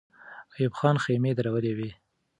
ایوب خان خېمې درولې وې.